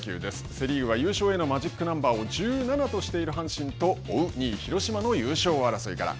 セ・リーグは優勝へのマジックナンバーを１７としている阪神と追う２位、広島の優勝争いから。